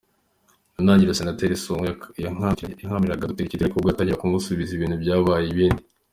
Ku ntangiriro Senateri Sonko yakankamiraga Dr Kidero, ariko ubwo yatangiraga kumusubiza, ibintu byabaye ibindi.